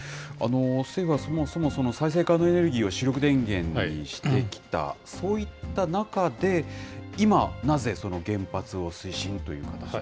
政府はそもそも再生可能エネルギーを主力電源にしてきた、そういった中で、今、なぜ、その原発を推進という形なんですか。